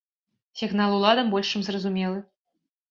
Сігнал уладам больш чым зразумелы.